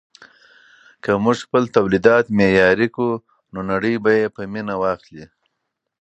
که موږ خپل تولیدات معیاري کړو نو نړۍ به یې په مینه واخلي.